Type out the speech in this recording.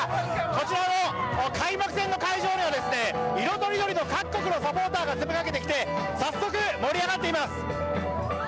こちらの開幕戦の会場では色とりどりの各国のサポーターが詰めかけてきて早速、盛り上がっています。